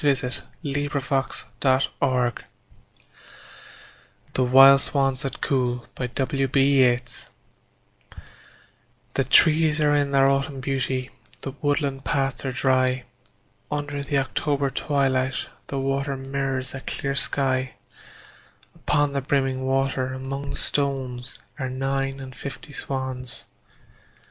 William Butler Yeats The Wild Swans at Coole THE trees are in their autumn beauty, The woodland paths are dry, Under the October twilight the water Mirrors a still sky; Upon the brimming water among the stones Are nine and fifty Swans.